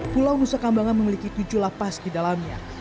pulau nusa kambangan memiliki tujuh lapas di dalamnya